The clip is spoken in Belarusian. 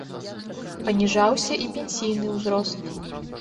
Паніжаўся і пенсійны ўзрост.